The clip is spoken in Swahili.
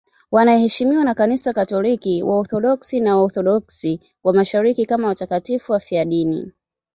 Wanaheshimiwa na Kanisa Katoliki, Waorthodoksi na Waorthodoksi wa Mashariki kama watakatifu wafiadini.